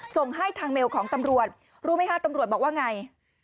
ส่งให้ทางเมลของตำรวจรู้ไหมคะตำรวจบอกว่าไง